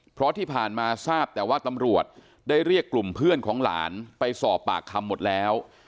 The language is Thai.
เพราะที่ผ่านมาทราบแต่ว่าตำรวจได้เรียกกลุ่มเพื่อนของหลานไปสอบปากคำหมดแล้ว